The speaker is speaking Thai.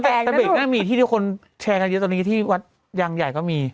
กะบี่ก็มีที่ที่คนแชร์กันเยอะตอนนี้ที่วัดยางใหญ่ก็มี